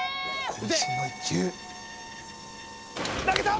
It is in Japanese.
こん身の１球投げた！